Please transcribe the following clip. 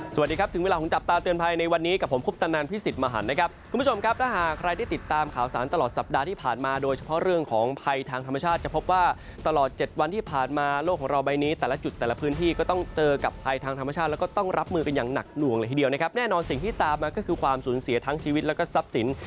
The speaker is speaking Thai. สวัสดีครับถึงเวลาของจับตาเตือนภัยในวันนี้กับผมคุกตะนานพี่สิทธิ์มหันต์นะครับคุณผู้ชมครับถ้าหากใครที่ติดตามข่าวสารตลอดสัปดาห์ที่ผ่านมาโดยเฉพาะเรื่องของภัยทางธรรมชาติจะพบว่าตลอด๗วันที่ผ่านมาโลกของเราใบนี้แต่ละจุดแต่ละพื้นที่ก็ต้องเจอกับภัยทางธรรมชาติแล้วก็ต้องร